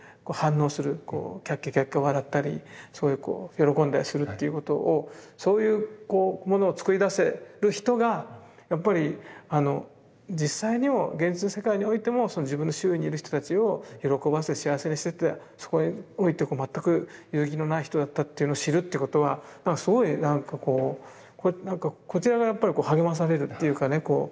こうきゃっきゃきゃっきゃ笑ったりそういうこう喜んだりするっていうことをそういうものを作り出せる人がやっぱり実際にも現実世界においてもその自分の周囲にいる人たちを喜ばせ幸せにしてってそこにおいても全く揺るぎのない人だったっていうのを知るってことはすごい何かこうこちらがやっぱり励まされるっていうかね